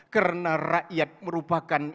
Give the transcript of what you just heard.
karena rakyat merupakan